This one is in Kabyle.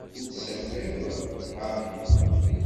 Ur d-tessakiḍ Harry.